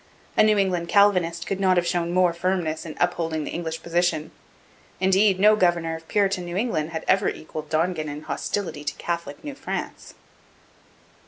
A New England Calvinist could not have shown more firmness in upholding the English position. Indeed, no governor of Puritan New England had ever equalled Dongan in hostility to Catholic New France.